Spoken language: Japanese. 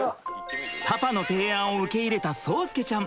パパの提案を受け入れた蒼介ちゃん。